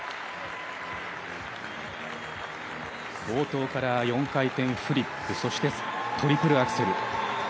冒頭から４回転フリップそしてトリプルアクセル。